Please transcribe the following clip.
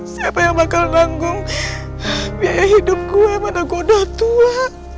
siapa yang bakal nanggung biaya hidup gue mana gue udah tua